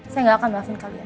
saya gak akan bahasin kalian